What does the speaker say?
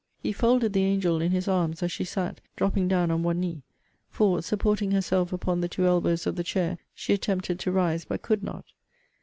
He folded the angel in his arms as she sat, dropping down on one knee; for, supporting herself upon the two elbows of the chair, she attempted to rise, but could not.